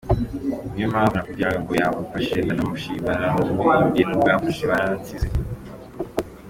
Niyo mpamvu nakubwiraga ngo yaramfashije ndanamushima naranamuririmbye ‘n’ubwo wamfashije waranansize’ .